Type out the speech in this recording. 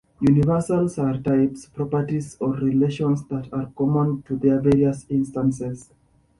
Universals are types, properties, or relations that are common to their various instances.